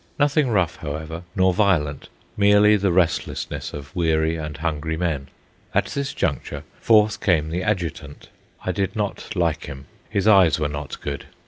Nothing rough, however, nor violent; merely the restlessness of weary and hungry men. At this juncture forth came the adjutant. I did not like him. His eyes were not good.